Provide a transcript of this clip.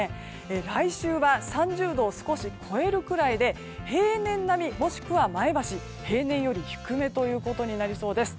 来週は３０度を少し超えるくらいで平年並み、もしくは前橋平年より低めとなりそうです。